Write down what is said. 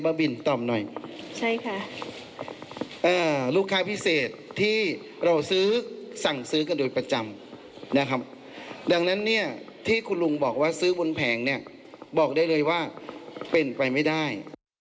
จิบบิลตอบหน่อยลูกค้าพิเศษที่เราซื้อสั่งซื้อกันโดยประจำดังนั้นที่คุณลุงบอกว่าซื้อบนแผงบอกได้เลยว่าเป็นไปไม่ได้